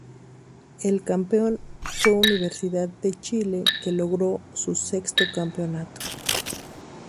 El campeón fue Universidad de Chile que logró su sexto campeonato.